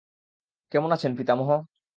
কেমন আছেন পিতামহ?